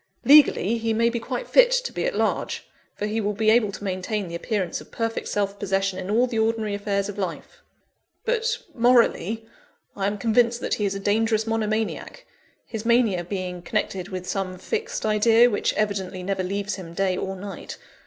Legally, he may be quite fit to be at large; for he will be able to maintain the appearance of perfect self possession in all the ordinary affairs of life. But, morally, I am convinced that he is a dangerous monomaniac; his mania being connected with some fixed idea which evidently never leaves him day or night.